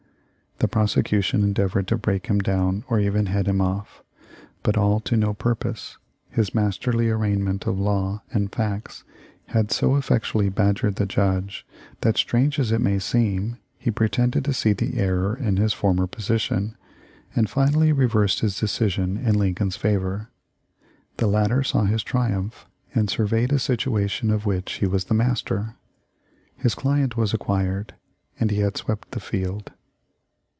The prosecution endeavored to break him down or even "head him off," but all to no pur pose. His masterly arraignment of law and facts had so effectually badgered the judge that, strange as it may seem, he pretended to see the error in his former position, and finally reversed his decision in Lincoln's favor. The latter saw his triumph, and 330 THE LIFE 0F LINCOLN. surveyed a situation of which he was the master. His client was acquitted, and he had swept the field.